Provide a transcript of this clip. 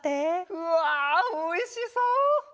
うわおいしそう！